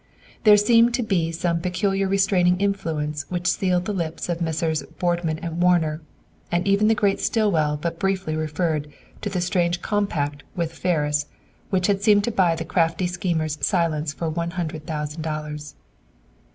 There seemed to be some peculiar restraining influence which sealed the lips of Messrs. Boardman and Warner, and even the great Stillwell but briefly referred to the strange compact with Ferris which had seemed to buy the crafty schemer's silence for one hundred thousand dollars.